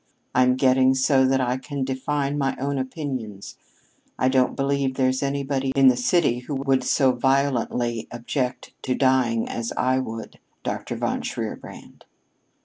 I'm getting so that I can define my own opinions. I don't believe there's anybody in the city who would so violently object to dying as I would, Dr. von Shierbrand."